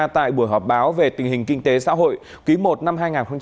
tại buổi họp báo về tình hình kinh tế xã hội quý i năm hai nghìn hai mươi